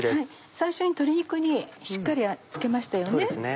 最初に鶏肉にしっかり付けましたよね。